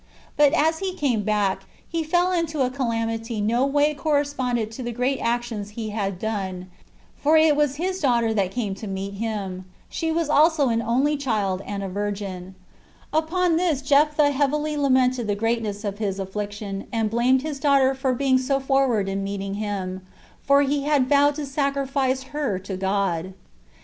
But as he came back, he fell into a calamity no way correspondent to the great actions he had done; for it was his daughter that came to meet him; she was also an only child and a virgin: upon this Jephtha heavily lamented the greatness of his affliction, and blamed his daughter for being so forward in meeting him, for he had vowed to sacrifice her to God.